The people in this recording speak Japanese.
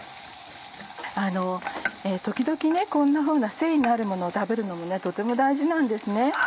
時々こんなふうな繊維のあるものを食べるのもとても大事なんですね。